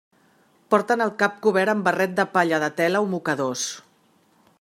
Porten el cap cobert amb barret de palla de tela o mocadors.